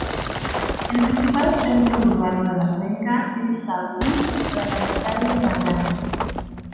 El principal centro urbano de la cuenca es São Luis, la capital de Maranhão.